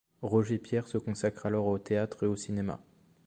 Roger Pierre se consacre alors au théâtre et au cinéma.